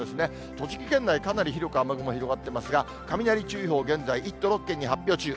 栃木県内、かなり広く雨雲広がってますが、雷注意報、現在、１都６県に発表中。